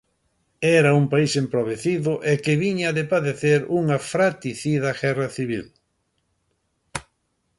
Era un país empobrecido e que viña de padecer unha fratricida guerra civil.